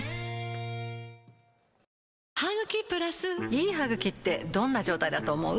いい歯ぐきってどんな状態だと思う？